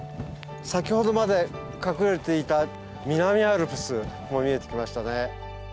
先ほどまで隠れていた南アルプスも見えてきましたね。